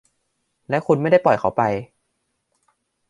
และคุณไม่ได้ปล่อยเขาไป ?